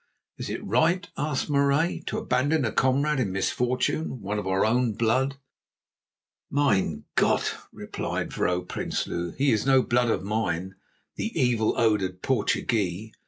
"Is it right," asked Marais, "to abandon a comrade in misfortune, one of our own blood?" "Mein Gott!" replied Vrouw Prinsloo; "he is no blood of mine, the evil odoured Portuguee.